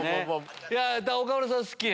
岡村さん好きな。